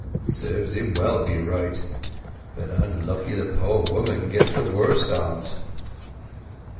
Serves him well beright. But onluckily the poor woman gets the worst o't."